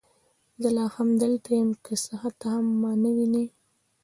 زه لا هم دلته یم، که څه هم ته ما نه وینې.